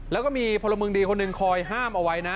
แล้วก็มีพลเมืองดีคนหนึ่งคอยห้ามเอาไว้นะ